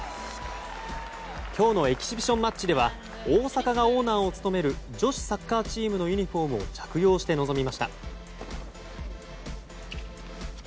今日のエキシビションマッチでは大坂がオーナーを務める女子サッカーチームのユニホームを着用して臨みました。